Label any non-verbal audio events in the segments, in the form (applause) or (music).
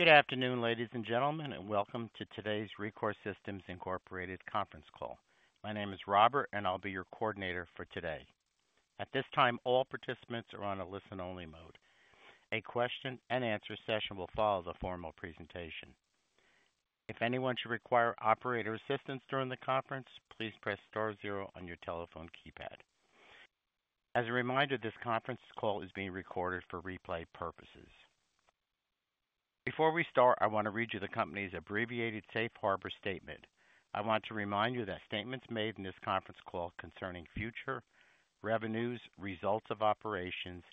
Good afternoon, ladies and gentlemen, and welcome to today's Rekor Systems, Inc. Conference Call. My name is Robert, and I'll be your coordinator for today. At this time, all participants are on a listen-only mode. A question and answer session will follow the formal presentation. If anyone should require operator assistance during the conference, please press star zero on your telephone keypad. As a reminder, this conference call is being recorded for replay purposes. Before we start, I want to read you the company's abbreviated safe harbor statement. I want to remind you that statements made in this conference call concerning future revenues, results of operations,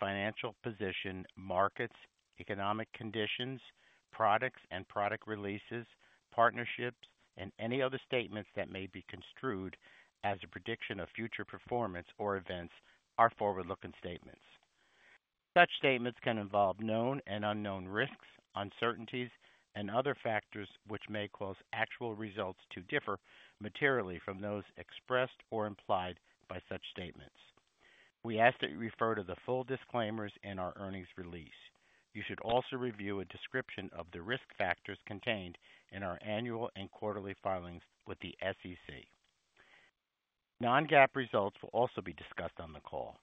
financial position, markets, economic conditions, products and product releases, partnerships, and any other statements that may be construed as a prediction of future performance or events are forward-looking statements. Such statements can involve known and unknown risks, uncertainties, and other factors which may cause actual results to differ materially from those expressed or implied by such statements. We ask that you refer to the full disclaimers in our earnings release. You should also review a description of the risk factors contained in our annual and quarterly filings with the SEC. Non-GAAP results will also be discussed on the call.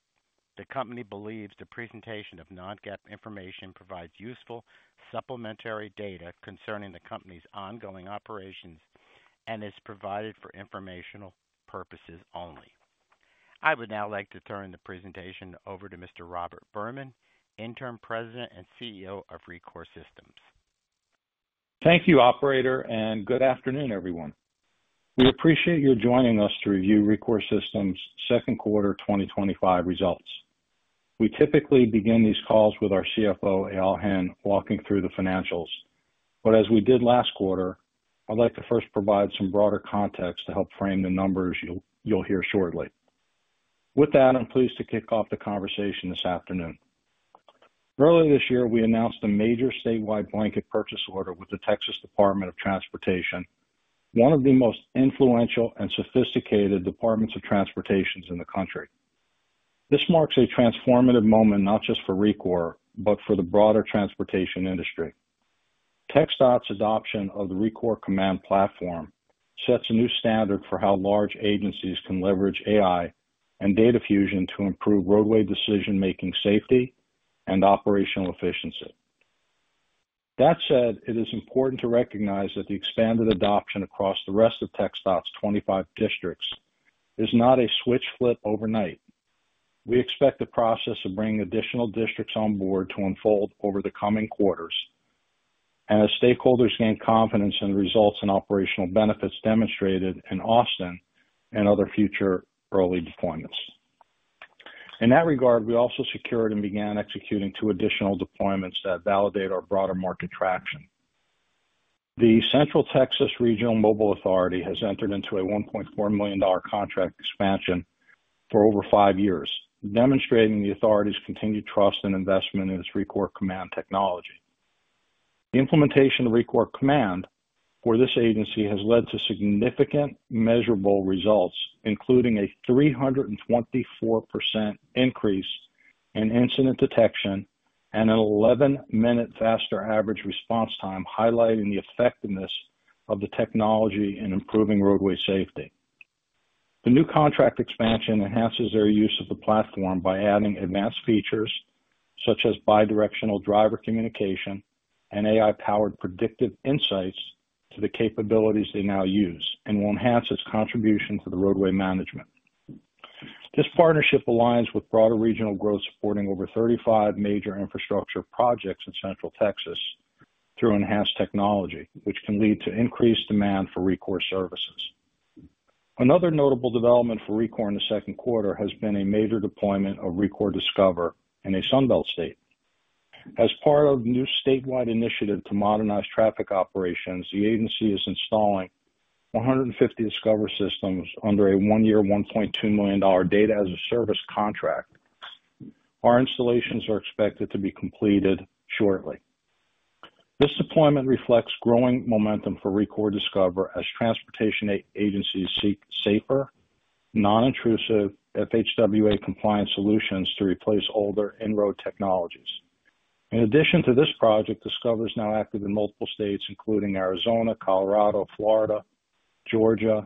The company believes the presentation of non-GAAP information provides useful supplementary data concerning the company's ongoing operations and is provided for informational purposes only. I would now like to turn the presentation over to Mr. Robert Berman, Interim President and CEO of Rekor Systems. Thank you, Operator, and good afternoon, everyone. We appreciate your joining us to review Rekor Systems' second quarter 2025 results. We typically begin these calls with our CFO, Eyal Hen, walking through the financials, but as we did last quarter, I'd like to first provide some broader context to help frame the numbers you'll hear shortly. With that, I'm pleased to kick off the conversation this afternoon. Earlier this year, we announced a major statewide blanket purchase order with the Texas Department of Transportation, one of the most influential and sophisticated departments of transportation in the country. This marks a transformative moment not just for Rekor, but for the broader transportation industry. TxDOT's adoption of the Rekor Command platform sets a new standard for how large agencies can leverage AI and data fusion to improve roadway decision-making, safety, and operational efficiency. That said, it is important to recognize that the expanded adoption across the rest of TxDOT's 25 districts is not a switch flip overnight. We expect the process of bringing additional districts on board to unfold over the coming quarters, as stakeholders gain confidence in the results and operational benefits demonstrated in Austin and other future early deployments. In that regard, we also secured and began executing two additional deployments that validate our broader market traction. The Central Texas Regional Mobility Authority has entered into a $1.4 million contract expansion for over five years, demonstrating the authority's continued trust and investment in its Rekor Command technology. The implementation of the Rekor Command for this agency has led to significant measurable results, including a 324% increase in incident detection and an 11-minute faster average response time, highlighting the effectiveness of the technology in improving roadway safety. The new contract expansion enhances their use of the platform by adding advanced features such as bidirectional driver communication and AI-powered predictive insights to the capabilities they now use and will enhance its contribution to the roadway management. This partnership aligns with broader regional growth, supporting over 35 major infrastructure projects in Central Texas through enhanced technology, which can lead to increased demand for Rekor services. Another notable development for Rekor in the second quarter has been a major deployment of Rekor Discover in a Sun Belt state. As part of the new statewide initiative to modernize traffic operations, the agency is installing 150 Discover systems under a one-year, $1.2 million data-as-a-service contract. Our installations are expected to be completed shortly. This deployment reflects growing momentum for Rekor Discover as transportation agencies seek safer, non-intrusive FHWA-compliant solutions to replace older in-road technologies. In addition to this project, Discover is now active in multiple states, including Arizona, Colorado, Florida, Georgia,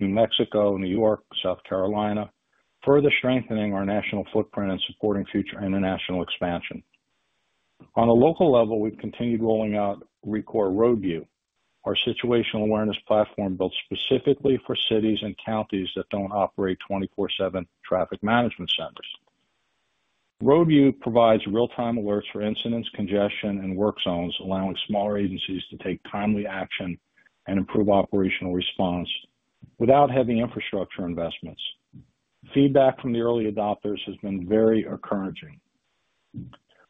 New Mexico, New York, and South Carolina, further strengthening our national footprint and supporting future international expansion. On a local level, we've continued rolling out Rekor RoadView, our situational awareness platform built specifically for cities and counties that don't operate 24/7 traffic management centers. RoadView provides real-time alerts for incidents, congestion, and work zones, allowing smaller agencies to take timely action and improve operational response without heavy infrastructure investments. Feedback from the early adopters has been very encouraging.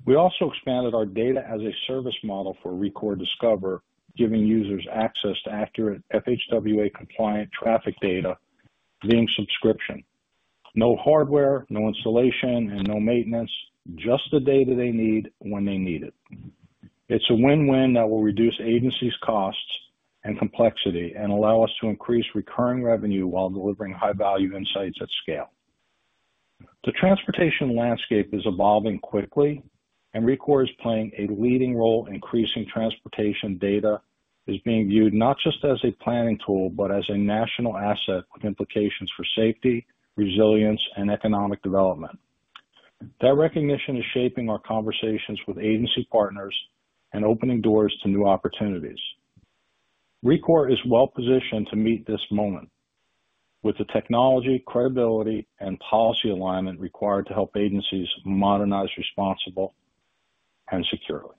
We also expanded our data-as-a-service model for Rekor Discover, giving users access to accurate FHWA-compliant traffic data via subscription. No hardware, no installation, and no maintenance, just the data they need when they need it. It's a win-win that will reduce agencies' costs and complexity and allow us to increase recurring revenue while delivering high-value insights at scale. The transportation landscape is evolving quickly, and Rekor is playing a leading role in increasing transportation data, being viewed not just as a planning tool but as a national asset with implications for safety, resilience, and economic development. That recognition is shaping our conversations with agency partners and opening doors to new opportunities. Rekor is well-positioned to meet this moment with the technology, credibility, and policy alignment required to help agencies modernize responsibly and securely.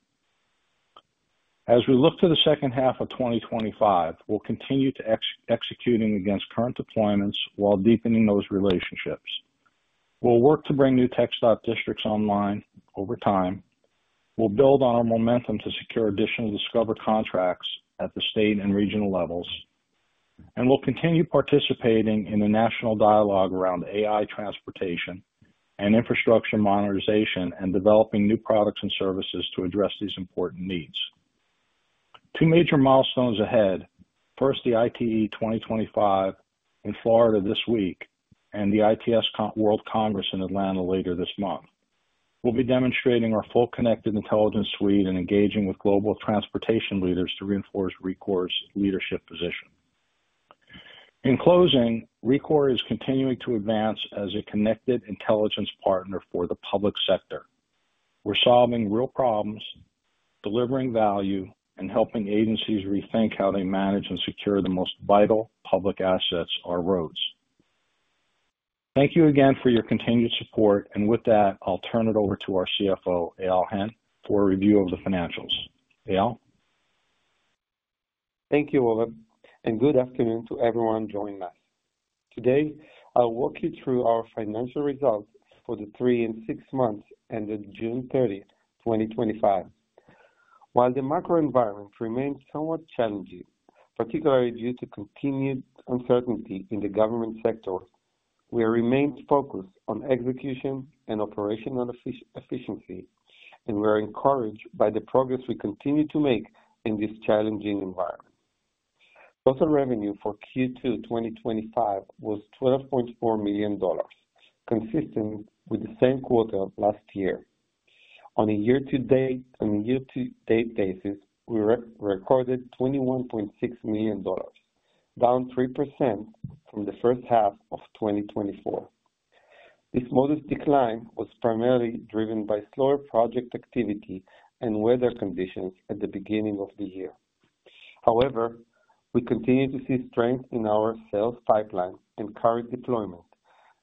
As we look to the second half of 2025, we'll continue to execute against current deployments while deepening those relationships. We'll work to bring new TxDOT districts online over time. We'll build on our momentum to secure additional Discover contracts at the state and regional levels, and we'll continue participating in the national dialogue around AI transportation and infrastructure modernization and developing new products and services to address these important needs. Two major milestones ahead. First, the ITE 2025 in Florida this week and the ITS World Congress in Atlanta later this month. We'll be demonstrating our full connected intelligence suite and engaging with global transportation leaders to reinforce Rekor's leadership position. In closing, Rekor is continuing to advance as a connected intelligence partner for the public sector. We're solving real problems, delivering value, and helping agencies rethink how they manage and secure the most vital public assets, our roads. Thank you again for your continued support, and with that, I'll turn it over to our CFO, Eyal Hen, for a review of the financials. Eyal. Thank you, Robert, and good afternoon to everyone joining us. Today, I'll walk you through our financial results for the three and six months ended June 30th, 2025. While the macro environment remains somewhat challenging, particularly due to continued uncertainty in the government sector, we remain focused on execution and operational efficiency, and we are encouraged by the progress we continue to make in this challenging environment. Total revenue for Q2 2025 was $12.4 million, consistent with the same quarter last year. On a year-to-date basis, we recorded $21.6 million, down 3% from the first half of 2024. This modest decline was primarily driven by slower project activity and weather conditions at the beginning of the year. However, we continue to see strength in our sales pipeline and current deployment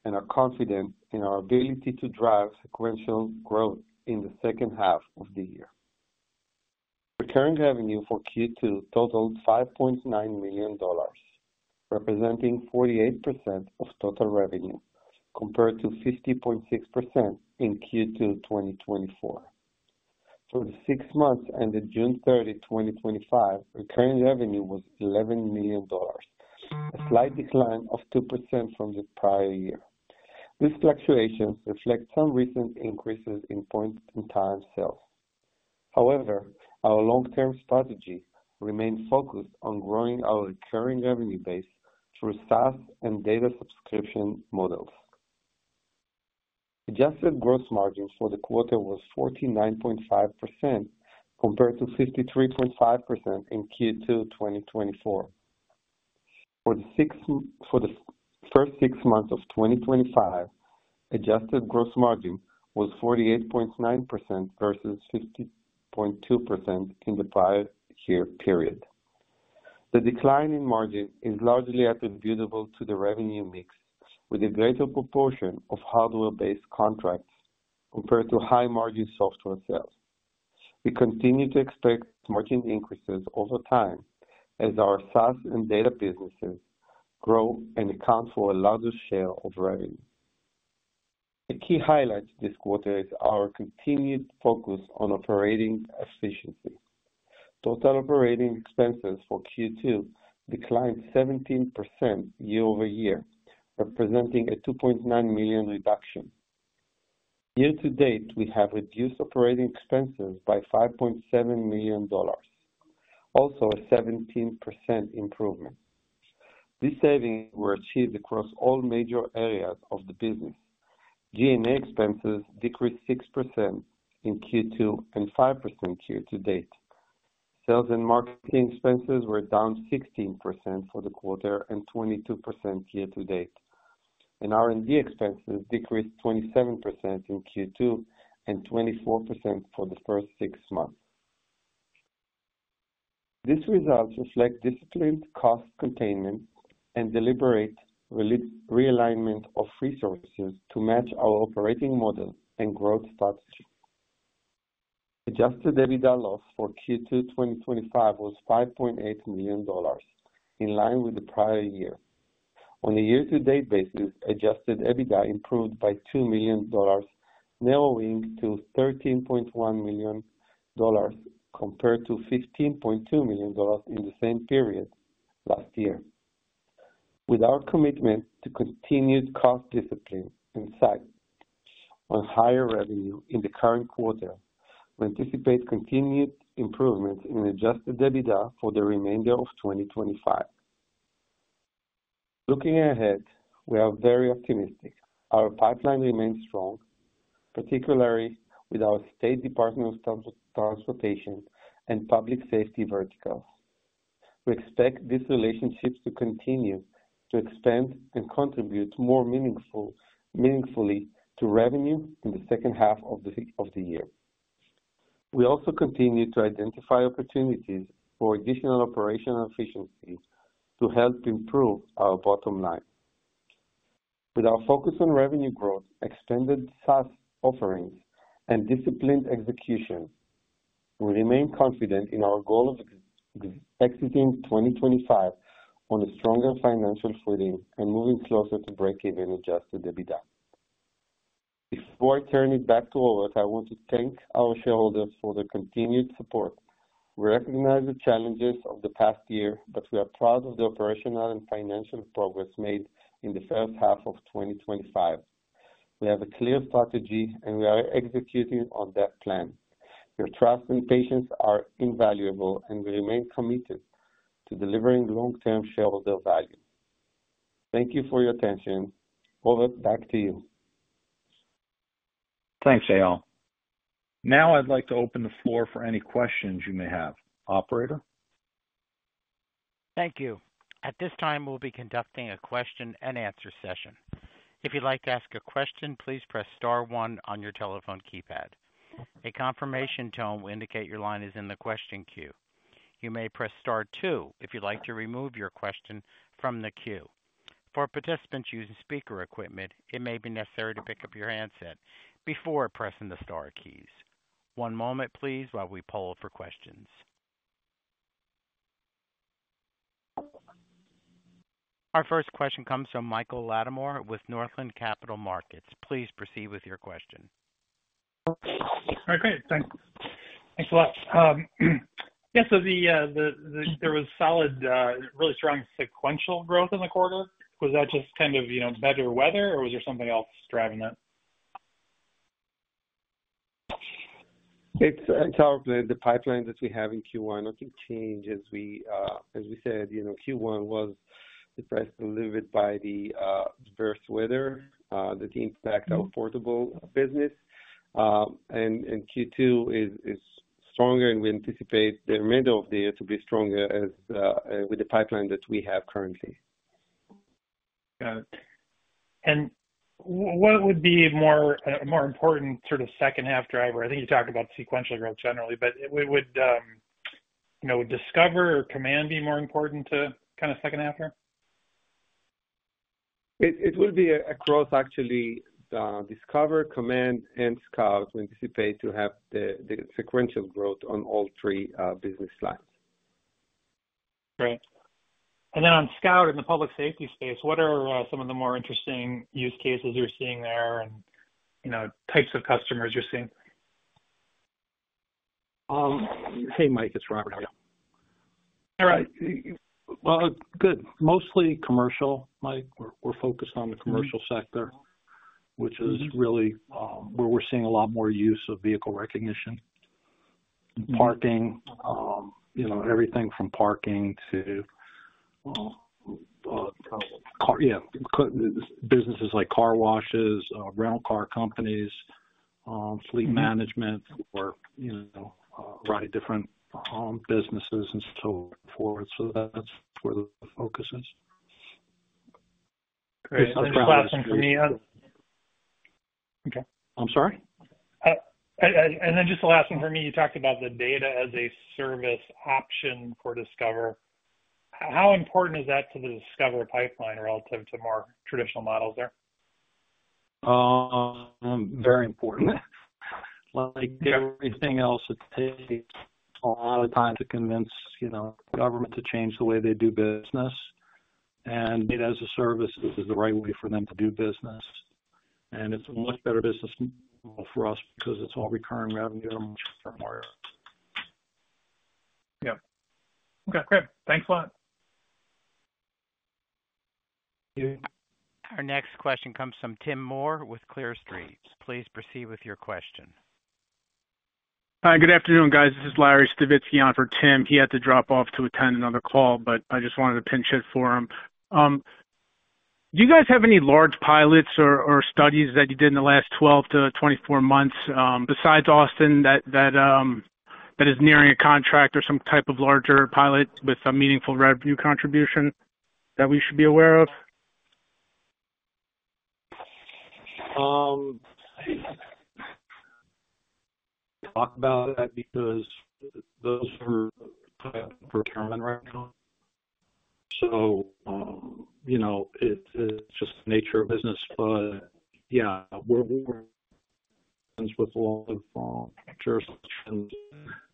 and are confident in our ability to drive sequential growth in the second half of the year. Recurring revenue for Q2 totaled $5.9 million, representing 48% of total revenue compared to 50.6% in Q2 2024. For the six months ended June 30th, 2025, recurring revenue was $11 million, a slight decline of 2% from the prior year. This fluctuation reflects some recent increases in point-in-time sales. However, our long-term strategies remain focused on growing our recurring revenue base through SaaS and data subscription models. Adjusted gross margin for the quarter was 49.5% compared to 53.5% in Q2 2024. For the first six months of 2025, adjusted gross margin was 48.9% versus 50.2% in the prior year period. The decline in margin is largely attributable to the revenue mix, with a greater proportion of hardware-based contracts compared to high-margin software sales. We continue to expect margin increases over time as our SaaS and data businesses grow and account for a larger share of revenue. A key highlight this quarter is our continued focus on operating efficiency. Total operating expenses for Q2 declined 17% year-over-year, representing a $2.9 million reduction. Year-to-date, we have reduced operating expenses by $5.7 million, also a 17% improvement. These savings were achieved across all major areas of the business. G&A expenses decreased 6% in Q2 and 5% year-to-date. Sales and marketing expenses were down 16% for the quarter and 22% year-to-date. R&D expenses decreased 27% in Q2 and 24% for the first six months. These results reflect disciplined cost containment and deliberate realignment of resources to match our operating model and growth strategy. Adjusted EBITDA loss for Q2 2025 was $5.8 million, in line with the prior year. On a year-to-date basis, adjusted EBITDA improved by $2 million, narrowing to $13.1 million compared to $15.2 million in the same period last year. With our commitment to continued cost discipline and sight on higher revenue in the current quarter, we anticipate continued improvements in adjusted EBITDA for the remainder of 2025. Looking ahead, we are very optimistic. Our pipeline remains strong, particularly with our state Department of Transportation and public safety verticals. We expect these relationships to continue to expand and contribute more meaningfully to revenue in the second half of the year. We also continue to identify opportunities for additional operational efficiency to help improve our bottom line. With our focus on revenue growth, expanded SaaS offerings, and disciplined execution, we remain confident in our goal of exiting 2025 on a stronger financial footing and moving closer to breaking even on adjusted EBITDA. Before I turn it back to Robert, I want to thank our shareholders for their continued support. We recognize the challenges of the past year, but we are proud of the operational and financial progress made in the first half of 2025. We have a clear strategy, and we are executing on that plan. Your trust and patience are invaluable, and we remain committed to delivering long-term shareholder value. Thank you for your attention. Robert, back to you. Thanks, Eyal. Now I'd like to open the floor for any questions you may have. Operator? Thank you. At this time, we'll be conducting a question and answer session. If you'd like to ask a question, please press star one on your telephone keypad. A confirmation tone will indicate your line is in the question queue. You may press star two if you'd like to remove your question from the queue. For participants using speaker equipment, it may be necessary to pick up your handset before pressing the star keys. One moment, please, while we poll for questions. Our first question comes from Michael Latimore with Northland Capital Markets. Please proceed with your question. All right, great. Thanks. Thanks a lot. There was solid, really strong sequential growth in the quarter. Was that just kind of, you know, better weather, or was there something else driving that? It's all the pipeline that we have in Q1. Nothing changes. As we said, you know, Q1 was the price delivered by the birth weather, the impact of portable business. Q2 is stronger, and we anticipate the remainder of the year to be stronger with the pipeline that we have currently. Got it. What would be a more important sort of second-half driver? I think you talked about the sequential growth generally, but would Discover or Command be more important to kind of second half? It would be across, actually, Discover, Command, and Scout. We anticipate to have the sequential growth on all three business lines. Great. On Scout in the public safety space, what are some of the more interesting use cases you're seeing there, and types of customers you're seeing? Mike, it's Robert. All right. Mostly commercial, Mike. We're focused on the commercial sector, which is really where we're seeing a lot more use of vehicle recognition. Parking, you know, everything from parking to, yeah, businesses like car washes, rental car companies, fleet management, or a variety of different businesses and so forth. That's where the focus is. Great. Just the last one from you. Okay. I'm sorry? Just the last one from you. You talked about the data-as-a-service option for Discover. How important is that to the Discover pipeline relative to more traditional models there? Very important. Like everything else, it takes a lot of time to convince government to change the way they do business. Data-as-a-service is the right way for them to do business. It's a much better business model for us because it's all recurring revenue and a much different way. Yeah. Okay. Great. Thanks a lot. Thank you. Our next question comes from Tim Moore with Clear Street. Please proceed with your question. Hi. Good afternoon, guys. This is Lawre Stavitski on for Tim. He had to drop off to attend another call, but I just wanted to pinch hit for him. Do you guys have any large pilots or studies that you did in the last 12-24 months besides Austin that is nearing a contract or some type of larger pilot with a meaningful revenue contribution that we should be aware of? Talk about that because those are kind of for. (audio distortion) It's just the nature of business. We're. (audio distortion)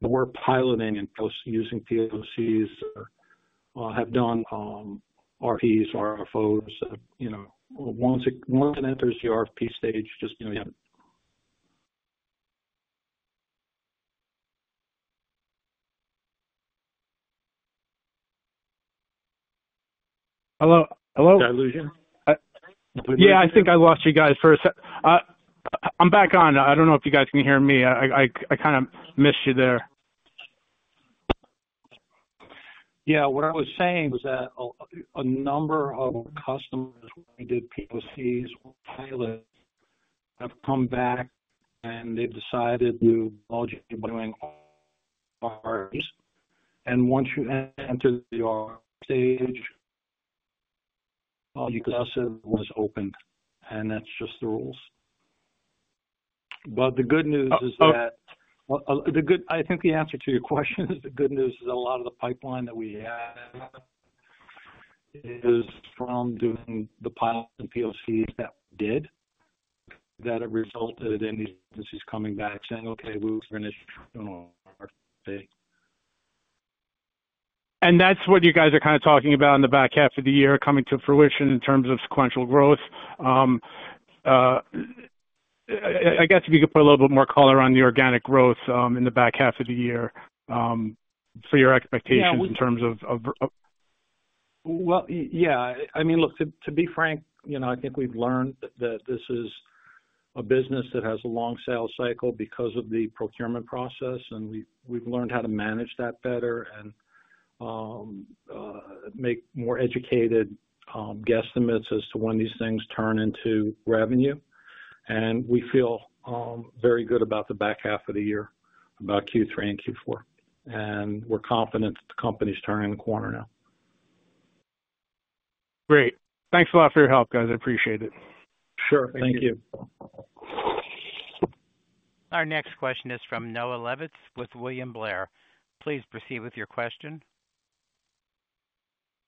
We're piloting and using POCs or have done RFPs, RFOs. Once it enters the RFP stage, yeah. Hello. Hello? Did I lose you? Yeah, I think I lost you guys for a second. I'm back on. I don't know if you guys can hear me. I missed you there. Yeah. What I was saying was that a number of customers who did POCs or pilots have come back and they've decided to do large RFPs. Once you enter the RFP stage, all you got to do is open it. That's just the rules. The good news is, I think the answer to your question is the good news is a lot of the pipeline that we had is from doing the pilot and POCs that we did that have resulted in these agencies coming back saying, "Okay, we'll finish." That is what you guys are kind of talking about in the back half of the year coming to fruition in terms of sequential growth. I guess if you could put a little bit more color on the organic growth in the back half of the year for your expectations in terms of. I mean, look, to be frank, I think we've learned that this is a business that has a long sales cycle because of the procurement process, and we've learned how to manage that better and make more educated guesstimates as to when these things turn into revenue. We feel very good about the back half of the year, about Q3 and Q4, and we're confident that the company's turning the corner now. Great. Thanks a lot for your help, guys. I appreciate it. Sure, thank you. Our next question is from Noah Levitz with William Blair. Please proceed with your question.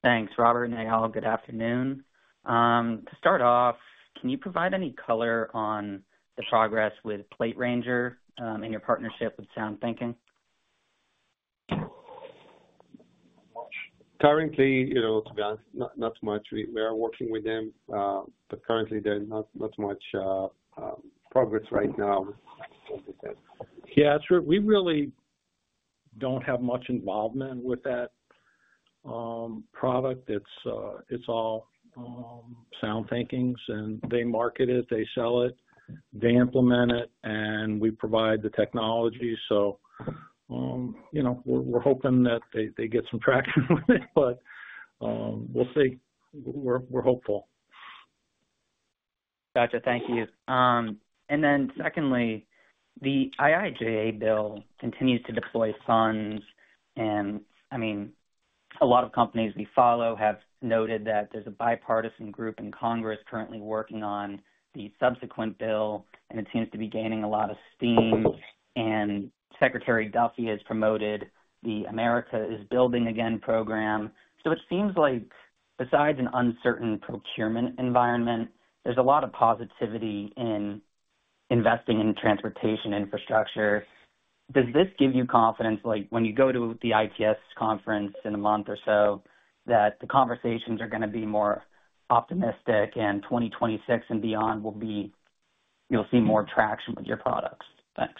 Thanks, Robert and Eyal. Good afternoon. To start off, can you provide any color on the progress with PlateRanger and your partnership with SoundThinking? To be honest, not much. We are working with them, but currently, there's not much progress right now. Yeah, that's right. We really don't have much involvement with that product. It's all SoundThinking's, and they market it, they sell it, they implement it, and we provide the technology. We're hoping that they get some traction with it, but we'll see. We're hopeful. Gotcha. Thank you. The IIJA bill continues to deploy funds, and a lot of companies we follow have noted that there's a bipartisan group in Congress currently working on the subsequent bill, and it seems to be gaining a lot of steam. Secretary Duffy has promoted the America is Building Again program. It seems like besides an uncertain procurement environment, there's a lot of positivity in investing in transportation infrastructure. Does this give you confidence, like when you go to the ITS conference in a month or so, that the conversations are going to be more optimistic and 2026 and beyond will be, you'll see more traction with your products? Thanks.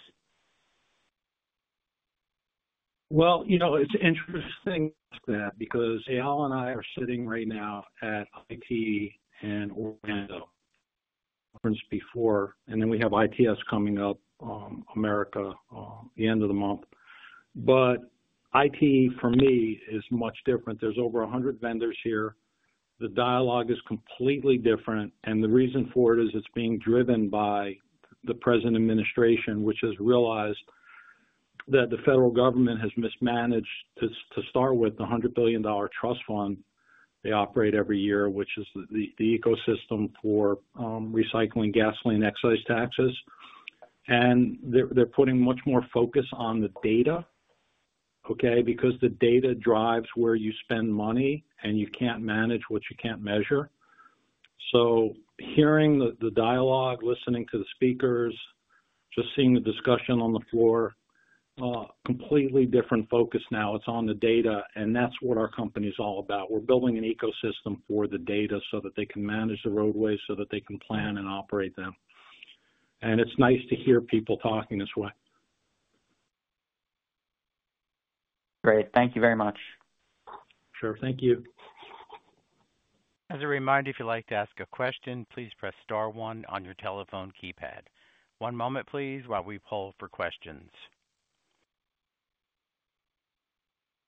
It's interesting to look at that because Eyal and I are sitting right now at IT in Orlando conference before, and then we have ITS coming up, America, the end of the month. IT, for me, is much different. There's over 100 vendors here. The dialogue is completely different, and the reason for it is it's being driven by the present administration, which has realized that the federal government has mismanaged, to start with, the $100 billion trust fund they operate every year, which is the ecosystem for recycling, gasoline, and excise taxes. They're putting much more focus on the data, because the data drives where you spend money, and you can't manage what you can't measure. Hearing the dialogue, listening to the speakers, just seeing the discussion on the floor, completely different focus now. It's on the data, and that's what our company is all about. We're building an ecosystem for the data so that they can manage the roadways, so that they can plan and operate them. It's nice to hear people talking this way. Great. Thank you very much. Sure, thank you. As a reminder, if you'd like to ask a question, please press star one on your telephone keypad. One moment, please, while we poll for questions.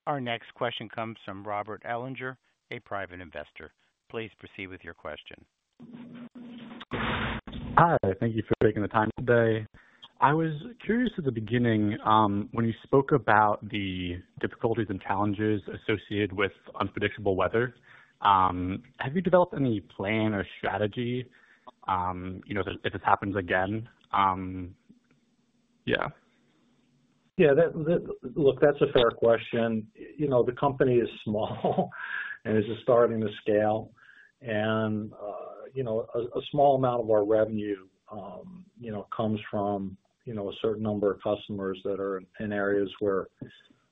Our next question comes from Robert Ellinger, a private investor. Please proceed with your question. Hi. Thank you for taking the time today. I was curious at the beginning when you spoke about the difficulties and challenges associated with unpredictable weather. Have you developed any plan or strategy if this happens again? Yeah. Yeah. Look, that's a fair question. The company is small, and it's just starting to scale. A small amount of our revenue comes from a certain number of customers that are in areas where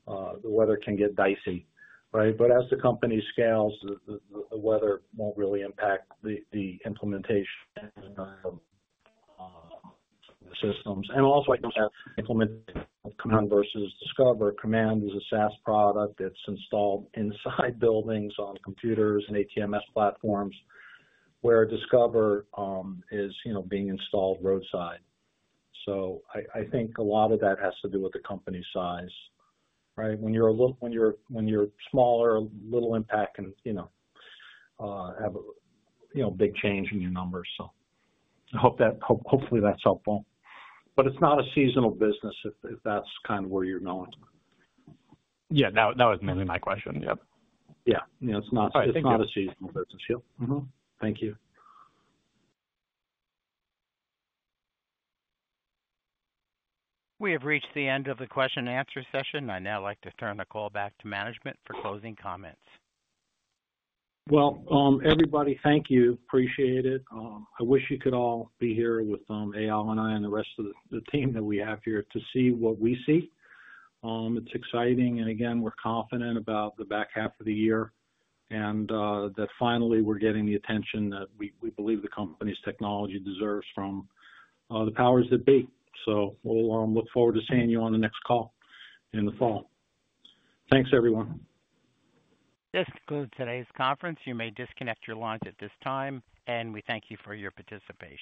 the weather can get dicey, right? As the company scales, the weather won't really impact the implementation and the systems. I can say Command versus Discover. Command is a SaaS product. It's installed inside buildings on computers and ATMs platforms, where Discover is being installed roadside. I think a lot of that has to do with the company size, right? When you're smaller, a little impact can have a big change in your numbers. I hope that hopefully that's helpful. It's not a seasonal business if that's kind of where you're going. Yeah, that was mainly my question. Yeah, it's not a seasonal business. Yeah, thank you. We have reached the end of the question and answer session. I'd now like to turn the call back to management for closing comments. Thank you. I appreciate it. I wish you could all be here with Eyal and I and the rest of the team that we have here to see what we see. It's exciting. We're confident about the back half of the year and that finally we're getting the attention that we believe the company's technology deserves from the powers that be. We'll look forward to seeing you on the next call in the fall. Thanks, everyone. This concludes today's conference. You may disconnect your line at this time, and we thank you for your participation.